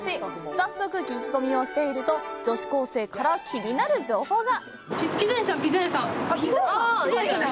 早速聞き込みをしていると女子高生から気になる情報が。